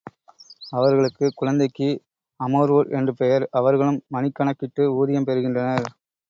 அவர்களுக்கு குழந்தைக்கு அமர்வோர் என்று பெயர், அவர்களும் மணிக்கணக்கிட்டு ஊதியம் பெறுகின்றனர்.